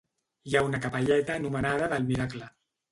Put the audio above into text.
Hi ha una capelleta anomenada del Miracle.